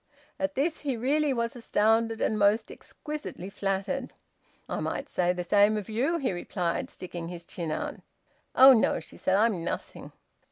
At this he really was astounded, and most exquisitely flattered. "I might say the same of you," he replied, sticking his chin out. "Oh no!" she said. "I'm nothing."